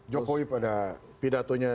jokowi pada pidatonya